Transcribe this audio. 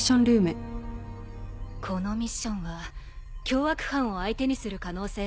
このミッションは凶悪犯を相手にする可能性ありね。